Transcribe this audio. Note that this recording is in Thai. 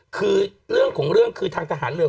คือเรื่องของเรื่องคือทางทหารเรือ